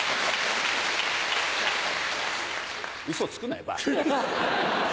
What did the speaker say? ウソつくなよバカ。